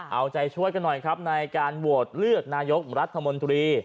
เอาใจช่วยกันหน่อยครับในการโหวตเลือกนายกรัฐมนตรี